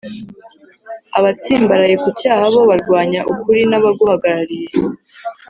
abatsimbaraye ku cyaha bo barwanya ukuri n’abaguhagarariye